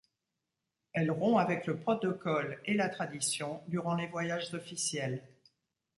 Elle rompt avec le protocole et la tradition, durant les voyages officiels.